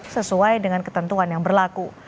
sesuai dengan ketentuan yang berlaku